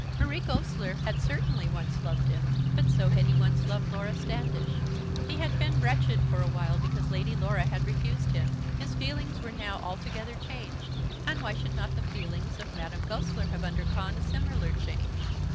Marie Goesler had certainly once loved him; but so had he once loved Laura Standish. He had been wretched for a while because Lady Laura had refused him. His feelings now were altogether changed, and why should not the feelings of Madame Goesler have undergone a similar change?